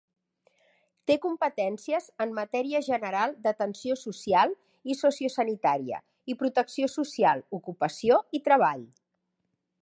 Té competències en matèria general d'atenció social i sociosanitària i protecció social, ocupació i treball.